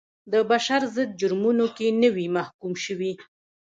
د بشر ضد جرمونو کې نه وي محکوم شوي.